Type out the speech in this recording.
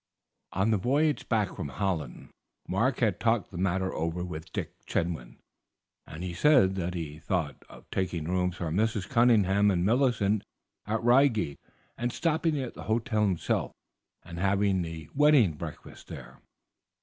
On the voyage back from Holland Mark had talked the matter over with Dick Chetwynd, and said that he thought of taking rooms for Mrs. Cunningham and Millicent at Reigate, and stopping at the hotel himself, and having the wedding breakfast there.